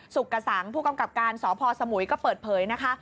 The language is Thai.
กระสังผู้กำกับการสพสมุยก็เปิดเผยนะคะ